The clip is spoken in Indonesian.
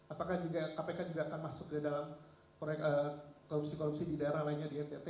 apakah juga kpk juga akan masuk ke dalam proyek korupsi korupsi di daerah lainnya di ntt